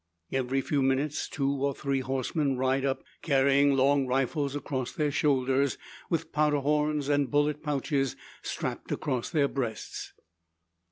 Every few minutes two or three horsemen ride up, carrying long rifles over their shoulders, with powder horns and bullet pouches strapped across their breasts.